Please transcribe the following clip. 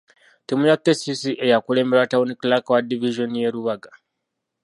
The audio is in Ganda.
Ttiimu ya KCCA yakulemberwa Town Clerk wa divizoni y’e Lubaga.